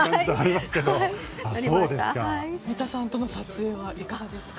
三田さんとの撮影はいかがですか？